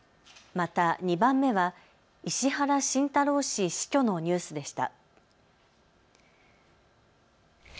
また２番目は石原慎太郎氏死去のニュースでした。